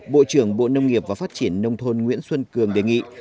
bộ trưởng bộ nông nghiệp và phát triển nông thôn nguyễn xuân cường đề nghị